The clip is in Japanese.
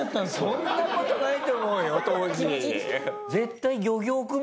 そんな事ないと思うよ当時。